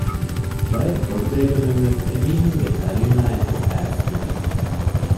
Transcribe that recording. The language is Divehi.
ބައެއް ބޮޑުބޭބެމެންވެސް އެމީހުންގެ ދަރިންނާއެކު އައިސް ތިވި